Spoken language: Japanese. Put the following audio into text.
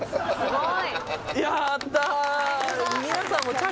すごい。